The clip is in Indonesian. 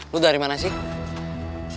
lo dari mana sih